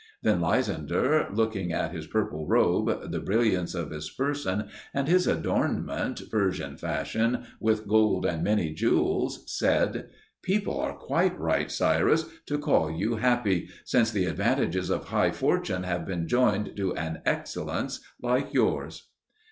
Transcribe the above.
Then Lysander, looking at his purple robe, the brilliance of his person, and his adornment Persian fashion with gold and many jewels, said: 'People are quite right, Cyrus, to call you happy, since the advantages of high fortune have been joined to an excellence like yours.'"